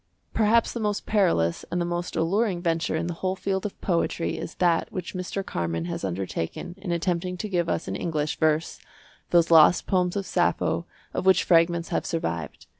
Perhaps the most perilous and the most alluring venture in the whole field of poetry is that which Mr. Carman has undertaken in attempting to give us in English verse those lost poems of Sappho of which fragments have survived.